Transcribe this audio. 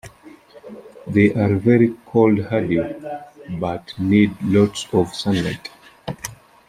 They are very cold-hardy, but need lots of sunlight.